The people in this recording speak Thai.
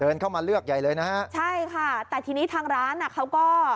เข้ามาเลือกใหญ่เลยนะฮะใช่ค่ะแต่ทีนี้ทางร้านอ่ะเขาก็